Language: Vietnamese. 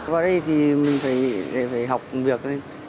vào đây thì mình phải học công việc